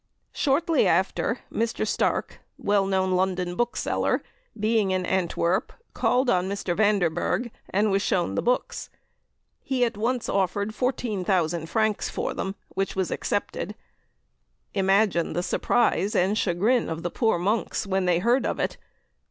Shortly after, Mr. Stark, a well known London bookseller, being in Antwerp, called on M. Vanderberg, and was shown the books. He at once offered 14,000 francs for them, which was accepted. Imagine the surprise and chagrin of the poor monks when they heard of it!